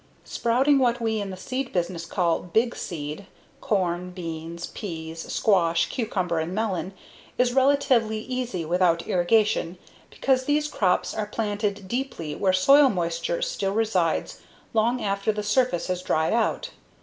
Sprouting what we in the seed business call "big seed" corn, beans, peas, squash, cucumber, and melon is relatively easy without irrigation because these crops are planted deeply, where soil moisture still resides long after the surface has dried out.